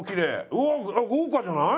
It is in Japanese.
うわ豪華じゃない！？